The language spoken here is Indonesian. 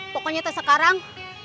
pokoknya teh sekarang